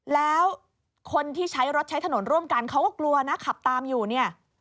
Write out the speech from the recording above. แล้วคนที่ใช้รถใช้ถนนร่วมกันเขาก็กลัวนะขับตามอยู่เนี่ย